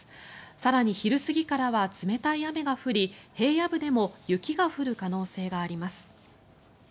更に、昼過ぎからは冷たい雨が降り平野部でも雪が降る可能性があります。